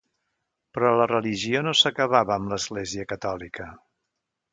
Però la religió no s’acabava amb l’Església catòlica.